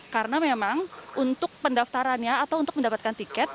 karena memang untuk pendaftarannya atau untuk mendapatkan tiket